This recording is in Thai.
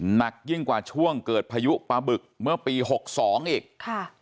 หนักยิ่งกว่าช่วงเกิดพายุปาบึกเมื่อปี๖๒อีก